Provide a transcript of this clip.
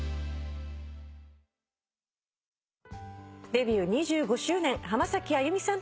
デビュー２５周年浜崎あゆみさん